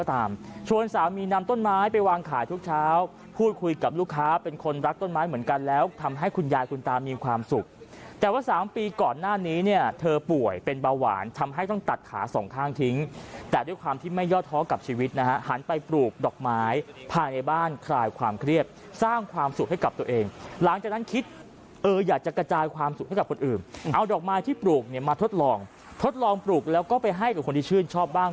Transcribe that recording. แต่ว่า๓ปีก่อนหน้านี้เนี่ยเธอป่วยเป็นเบาหวานทำให้ต้องตัดขาสองข้างทิ้งแต่ด้วยความที่ไม่ยอดท้อกับชีวิตนะฮะหันไปปลูกดอกไม้ผ่านในบ้านคลายความเครียบสร้างความสุขให้กับตัวเองหลังจากนั้นคิดเอออยากจะกระจายความสุขให้กับคนอื่นเอาดอกไม้ที่ปลูกเนี่ยมาทดลองทดลองปลูกแล้วก็ไปให้กับคนที่ชื่นชอบบ้